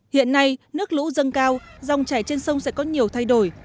hiện nay nước lũ dâng cao dòng chảy trên sông sẽ có nhiều thay đổi